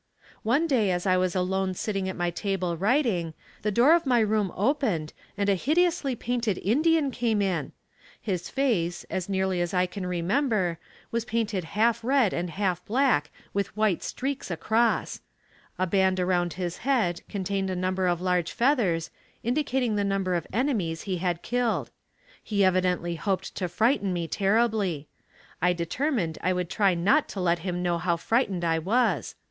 One day as I was alone sitting at my table writing, the door of my room opened and a hideously painted Indian came in. His face, as nearly as I can remember, was painted half red and half black with white streaks across. A band around his head contained a number of large feathers, indicating the number of enemies he had killed. He evidently hoped to frighten me terribly. I determined I would try not to let him know how frightened I was.